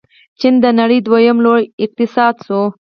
چین د نړۍ دویم لوی اقتصاد شو.